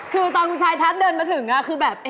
คือตอนคุณชายทัศน์เดินมาถึงคือแบบ